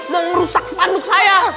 mau merusak spanduk saya